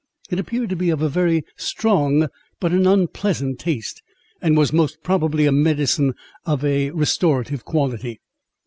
It appeared to be of a very strong, but an unpleasant taste, and was most probably a medicine of a restorative quality.